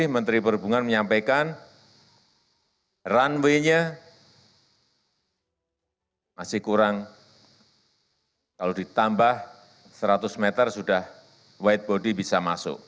seratus meter sudah wide body bisa masuk